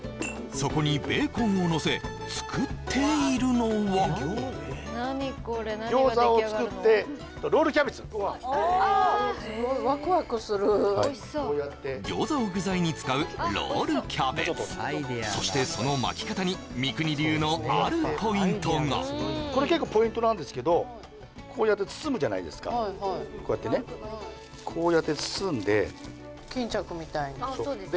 そこにベーコンをのせ作っているのは餃子を具材に使うロールキャベツそしてその巻き方に三國流のあるポイントがこれ結構ポイントなんですけどこうやって包むじゃないですかこうやってねこうやって包んで巾着みたいにあっそうですね